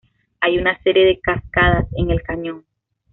Hay una serie de cascadas en el cañón.